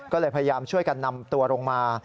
ก็เลยพยายามช่วยกันนำตัวลงมา